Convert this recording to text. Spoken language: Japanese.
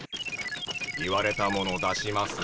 言われたもの出します。